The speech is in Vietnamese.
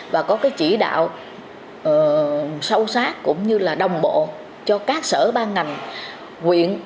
và có chỉ đạo sâu sát cũng như đồng bộ cho các sở ban ngành